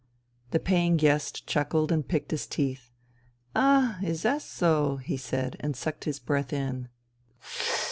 The paying guest chuckled and picked his teeth. " Ah 1 ... Iz zas so ?" he said and sucked his breath in